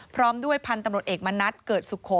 พร้อมด้วยพันธุ์ตำรวจเอกมณัฐเกิดสุโข